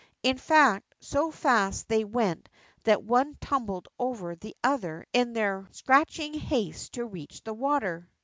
In fact, so fast they went that one tumbled over the other in their scratching haste to reach the water.